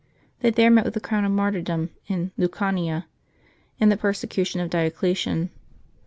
They there met with the crown of martyrdom in Lucania, in the persecution of Diocletian.